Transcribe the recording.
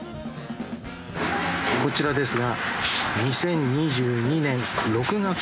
こちらですが。